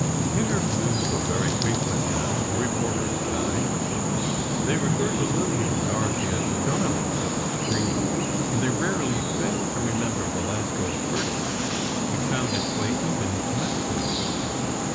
Interviews were very frequent, now, the reporters kind. They referred to Lillian and Dorothy as the "darlings of the screen," and they rarely failed to remember Belasco's verdict, which found its way even to Massillon.